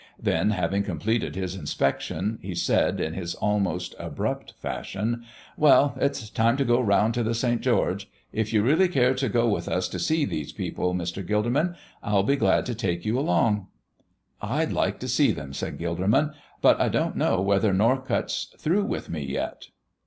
Then, having completed his inspection, he said, in his almost abrupt fashion: "Well, it's time to go around to the St. George. If you really care to go with us to see these people, Mr. Gilderman, I'll be glad to take you along." "I'd like to see them," said Gilderman, "but I don't know whether Norcott's through with me yet."